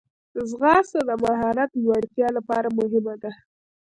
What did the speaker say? ځغاسته د مهارت لوړتیا لپاره مهمه ده